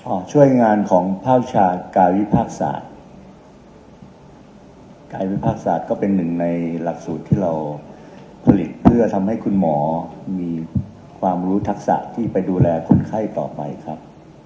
ช่วยงานของภาควิชากายวิภาคศาสตร์การวิภาคศาสตร์ก็เป็นหนึ่งในหลักสูตรที่เราผลิตเพื่อทำให้คุณหมอมีความรู้ทักษะที่ไปดูแลคนไข้ต่อไปครับ